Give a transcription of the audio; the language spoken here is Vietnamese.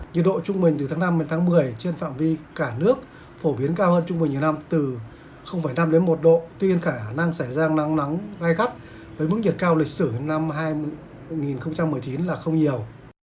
nhiệt độ trung bình từ tháng năm đến tháng một mươi trên phạm vi cả nước phổ biến cao hơn trung bình nhiều năm từ năm đến một độ tuy nhiên khả năng xảy ra nắng nóng gai gắt với mức nhiệt cao lịch sử năm hai nghìn một mươi chín là không nhiều